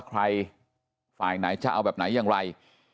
ใครฝ่ายไหนจะเอาแบบไหนอย่างไร